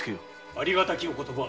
ありがたきお言葉。